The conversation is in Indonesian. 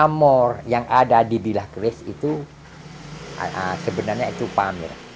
pamor yang ada di bilah keris itu sebenarnya itu pamer